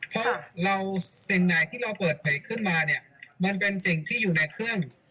เพราะเราสิ่งไหนที่เราเปิดเผยขึ้นมาเนี่ยมันเป็นสิ่งที่อยู่ในเครื่อง